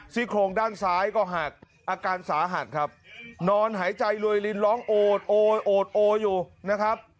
โครงด้านซ้ายก็หักอาการสาหัสครับนอนหายใจรวยลินร้องโอดโอดโออยู่นะครับ